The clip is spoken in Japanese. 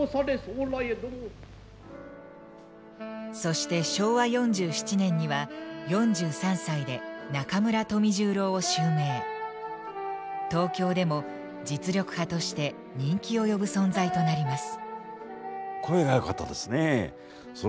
そして昭和４７年には東京でも実力派として人気を呼ぶ存在となります。